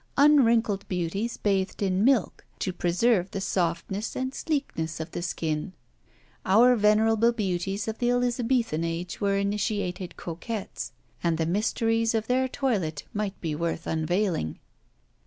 Unwrinkled beauties bathed in milk, to preserve the softness and sleekness of the skin. Our venerable beauties of the Elizabethan age were initiated coquettes; and the mysteries of their toilet might be worth unveiling.